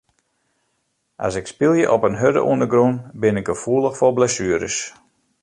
As ik spylje op in hurde ûndergrûn bin ik gefoelich foar blessueres.